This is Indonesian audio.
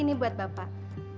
ini buat bapak